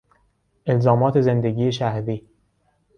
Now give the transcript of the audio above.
الزامات زندگی شهری